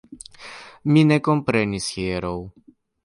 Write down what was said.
Mi ne komprenis hieraŭ.